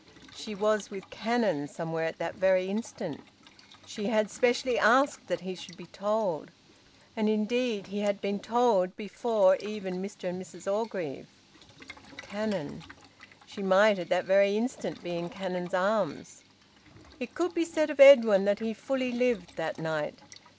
She was with Cannon somewhere at that very instant... She had specially asked that he should be told. And indeed he had been told before even Mr and Mrs Orgreave... Cannon! She might at that very instant be in Cannon's arms. It could be said of Edwin that he fully lived that night.